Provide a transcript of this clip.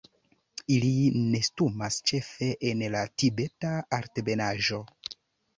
Ili nestumas ĉefe en la Tibeta Altebenaĵo.